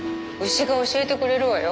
牛が教えてくれるわよ。